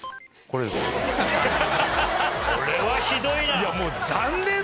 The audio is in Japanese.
これはひどいな！